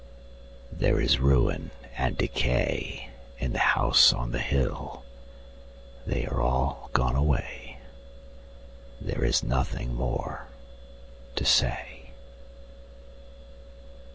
There is ruin and decay In the House on the Hill They are all gone away, There is nothing more to say.